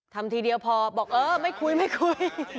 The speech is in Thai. ทีเดียวพอบอกเออไม่คุยไม่คุย